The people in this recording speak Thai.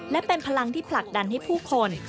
และเป็นพลังที่ผลักดันให้ผู้คน